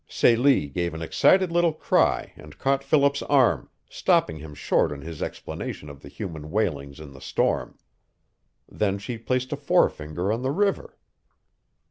Celie gave an excited little cry and caught Philip's arm, stopping him short in his explanation of the human wailings in the storm. Then she placed a forefinger on the river.